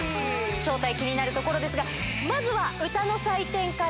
正体気になるところですが、まずは歌の採点から。